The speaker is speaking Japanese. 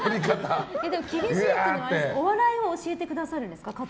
厳しいっていうのは教えてくれるんですか？